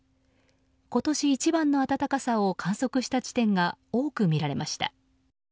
今年一番の暖かさを観測した地点が多く見られました。